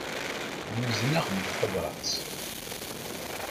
Yuzen-aɣ-d tabrat.